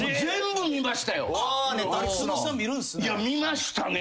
いや見ましたね。